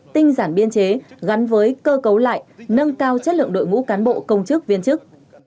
tinh giản biên chế gắn với cơ cấu lại nâng cao chất lượng đội ngũ cán bộ công chức viên chức